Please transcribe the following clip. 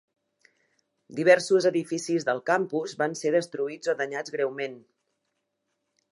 Diversos edificis del campus van ser destruïts o danyats greument.